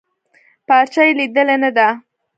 پارچه يې ليدلې نده.